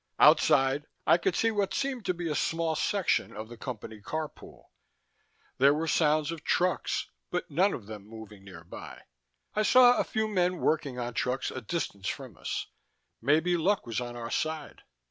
Outside, I could see what seemed to be a small section of the Company car pool. There were sounds of trucks, but none were moving nearby. I saw a few men working on trucks a distance from us. Maybe luck was on our side.